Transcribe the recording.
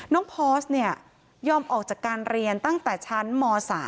พอร์สเนี่ยยอมออกจากการเรียนตั้งแต่ชั้นม๓